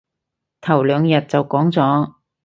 頭兩日就講咗